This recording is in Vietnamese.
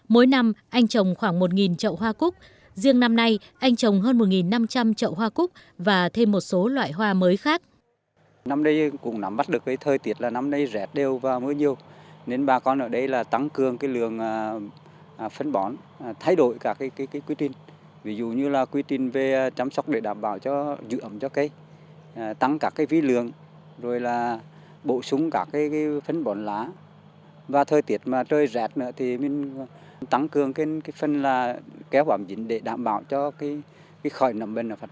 mỗi năm anh trồng khoảng một trậu hoa cúc riêng năm nay anh trồng hơn một năm trăm linh trậu hoa cúc và thêm một số loại hoa mới khác